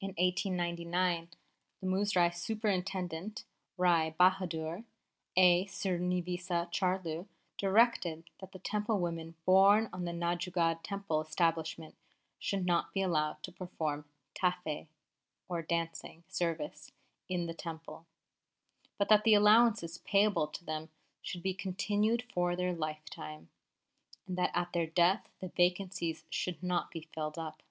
In 1899, the Muzrai Superintendent, Rai Bahadur A. Sreenivasa Charlu, directed that the Temple women borne on the Nanjangud Temple establishment should not be allowed to perform tafe (or dancing) service in the Temple; but that the allowances payable to them should be continued for their lifetime, and that at their death the vacancies should not be filled up.